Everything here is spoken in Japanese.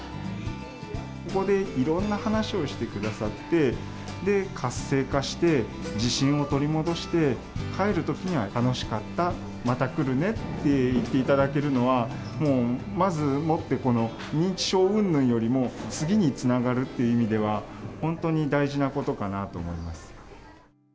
ここでいろんな話をしてくださって、活性化して、自信を取り戻して、帰るときには楽しかった、また来るねって言っていただけるのは、もうまずもって、認知症うんぬんよりも、次につながるって意味では、本当に大事なことかなと思います。